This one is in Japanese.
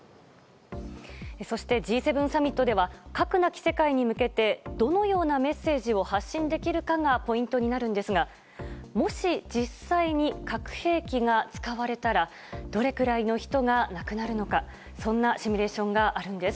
そして、Ｇ７サミットでは核なき世界に向けてどのようなメッセージを発信できるかがポイントになるんですがもし実際に核兵器が使われたらどれくらいの人が亡くなるのかそんなシミュレーションがあるんです。